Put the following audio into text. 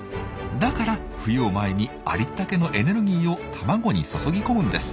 だから冬を前にありったけのエネルギーを卵に注ぎ込むんです。